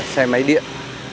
xe máy điện